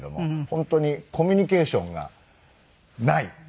本当にコミュニケーションがない感じですね。